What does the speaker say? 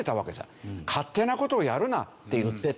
勝手な事をやるなって言ってた。